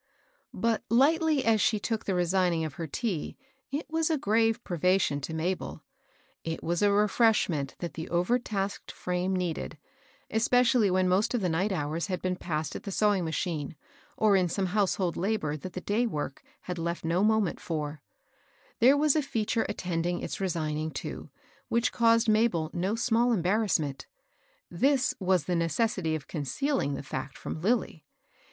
But, lightly as she took the resigning of her tea^ it was a grave privation to Mabel. It was a HEART SCALDS. 213 re&eshment that the overtasked frame needed; especially when most of the night hours had been passed at the sewing machine, or in some house hold labor that the day work had left no moment for^ There was a feature attending its resigning, too, which caused Mabel no small embarrassment : this was the necessity of concealing the fact |rom Lilly.